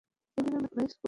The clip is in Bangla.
এই গ্রামে কোনো স্কুল নেই।